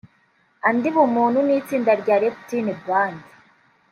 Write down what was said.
Andy Bumuntu n’itsinda rya Neptunez Band